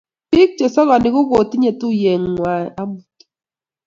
biik chesokoni ko kotinye tuyie ng'wany amut.